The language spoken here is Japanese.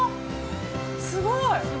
すごい。